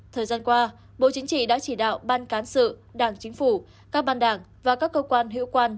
thời gian qua bộ chính trị đã chỉ đạo ban cán sự đảng chính phủ các ban đảng và các cơ quan hiệu quan